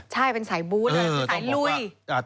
ใช่เป็นสายบูธเลยสายลุย